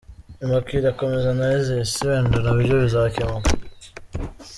Immaculee akomeze analysis wenda nabyo bizakemuka.